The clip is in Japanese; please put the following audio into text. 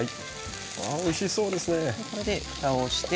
ああ、おいしそうですね。